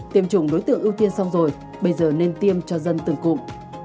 tiêm chủng đối tượng ưu tiên xong rồi bây giờ nên tiêm cho dân từng cụm